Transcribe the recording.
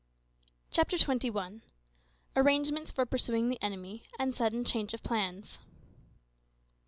CHAPTER TWENTY ONE. ARRANGEMENTS FOR PURSUING THE ENEMY, AND SUDDEN CHANGE OF PLANS.